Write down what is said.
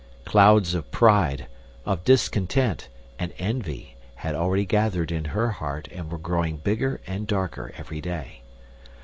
Clouds of pride, of discontent, and envy had already gathered in her heart and were growing bigger and darker every day.